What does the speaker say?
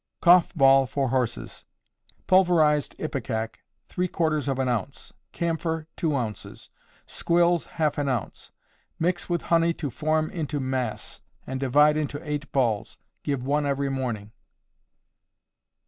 Cough Ball for Horses. Pulverized ipecac, three quarters of an ounce; camphor, two ounces; squills, half an ounce. Mix with honey to form into mass, and divide into eight balls. Give one every morning.